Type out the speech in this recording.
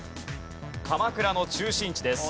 鎌倉の中心地です。